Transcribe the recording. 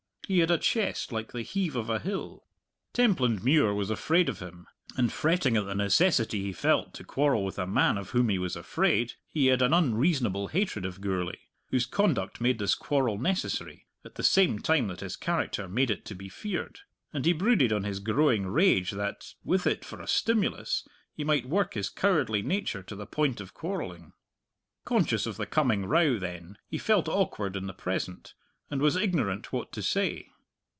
He had a chest like the heave of a hill. Templandmuir was afraid of him. And fretting at the necessity he felt to quarrel with a man of whom he was afraid, he had an unreasonable hatred of Gourlay, whose conduct made this quarrel necessary at the same time that his character made it to be feared; and he brooded on his growing rage that, with it for a stimulus, he might work his cowardly nature to the point of quarrelling. Conscious of the coming row, then, he felt awkward in the present, and was ignorant what to say.